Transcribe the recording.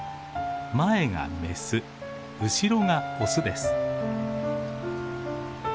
前がメス後ろがオスです。